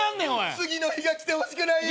次の日が来てほしくないよ